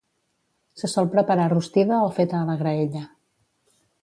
Se sol preparar rostida o feta a la graella.